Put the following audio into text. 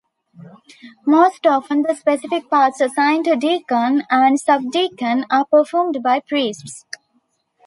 Most often the specific parts assigned to deacon and subdeacon are performed by priests.